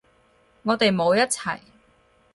我哋冇一齊